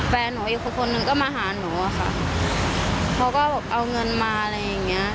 แฟนหนูอีกคนนึงก็มาหาหนูอะค่ะเขาก็แบบเอาเงินมาอะไรอย่างเงี้ย